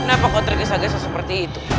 kenapa kok tergesa gesa seperti itu